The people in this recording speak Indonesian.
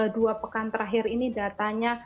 dua pekan terakhir ini datanya